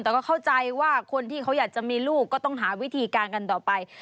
แต่ก็เข้าใจว่าคนที่เขาอยากจะมีลูกก็ต้องหาวิธีการกันต่อไป